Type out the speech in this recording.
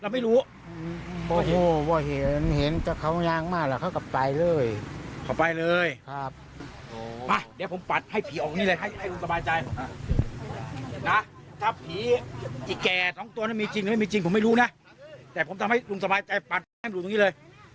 ไอ้แก่ท้องตัวนั้นมีจริงหรือไม่มีจริงผมไม่รู้นะแต่ผมทำให้ลุงสบายใจปาดแหล่งหลุดตรงนี้เลย